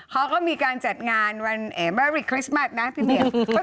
เขาก็มีการจัดงานวันแม่ริคริสต์มัสนะพี่เหมียว